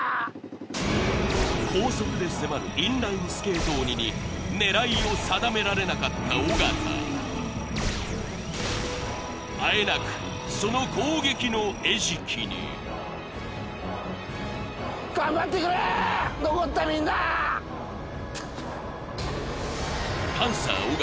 高速で迫るインラインスケート鬼に狙いを定められなかった尾形あえなくその攻撃の餌食にパンサー・尾形